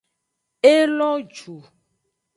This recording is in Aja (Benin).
E lo ju.